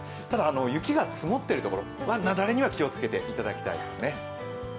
ただ雪が積もっているところは雪崩には気をつけてほしいです。